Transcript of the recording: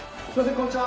こんにちは